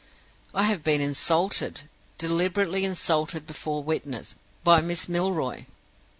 "I have been insulted deliberately insulted before witnesses by Miss Milroy.